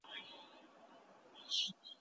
دتمدن په معنى همدارنګه جرمنيانو ورته رايش